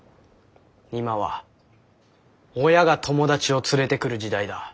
今は親が友達を連れてくる時代だ。